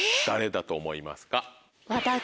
誰だと思いますか？